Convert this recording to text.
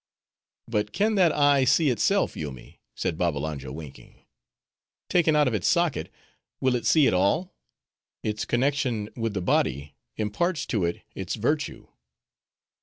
"But can that eye see itself, Yoomy?" said Babbalanja, winking. "Taken out of its socket, will it see at all? Its connection with the body imparts to it its virtue."